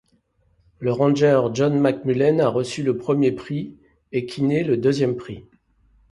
Le ranger John McMullen a reçu le premier prix et Kinney, le deuxième prix.